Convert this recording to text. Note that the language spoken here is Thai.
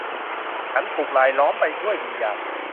ฉันถูกรายล้อมไปด้วยวิญญาณ